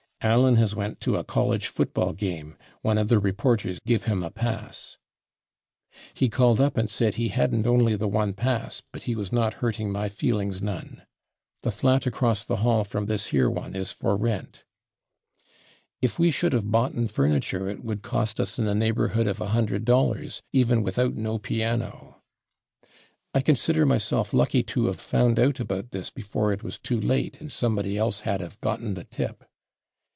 Allen has /went/ to a college football game. One of the reporters /give/ him a pass.... He called up and said he /hadn't/ only the one pass, but he was not hurting my feelings /none/.... The flat across the hall from this /here/ one is for rent.... If we should /of boughten/ furniture it would cost us in the neighborhood of $100, even without /no/ piano.... I consider myself lucky to /of/ found out about this before it was too late and somebody else had /of/ gotten the tip....